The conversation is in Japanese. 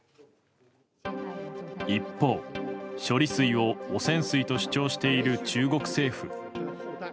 一方、処理水を汚染水と主張している中国政府。